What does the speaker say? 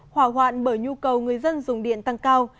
hỏa hoạn bởi nhu cầu người dân dùng điện tăng cao